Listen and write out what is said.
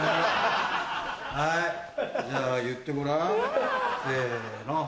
はいじゃあ言ってごらんせの。